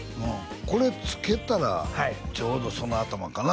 これつけたらちょうどその頭かな